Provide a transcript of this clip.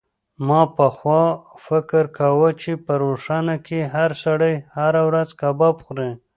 ما پخوا فکر کاوه چې په ښار کې هر سړی هره ورځ کباب خوري.